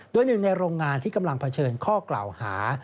โดยหนึ่งในโรงงานที่กำลังเผชิญข้อกล่าวหา